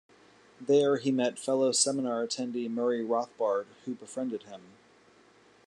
There he met fellow seminar attendee Murray Rothbard, who befriended him.